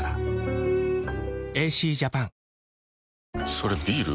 それビール？